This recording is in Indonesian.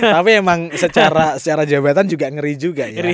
tapi emang secara jabatan juga ngeri juga